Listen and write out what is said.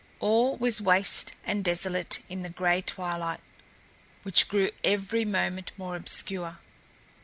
All was waste and desolate in the gray twilight, which grew every moment more obscure.